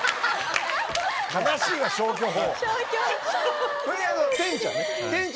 悲しいわ消去法。